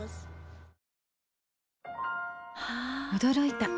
驚いた。